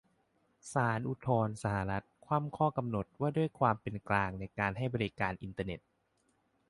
ศาลอุทธรณ์สหรัฐ คว่ำข้อกำหนดว่าด้วยความเป็นกลางในการให้บริการอินเทอร์เน็ต